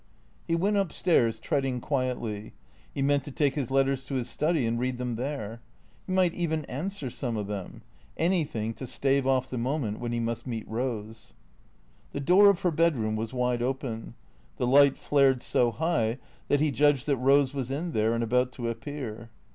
He went up stairs, treading quietly. He meant to take his letters to his study and read them there. He might even answer some of them. Anything to stave off the moment when he must meet Eose. The door of her bedroom was wide open. The light flared so high that he judged that Eose was in there and about to appear.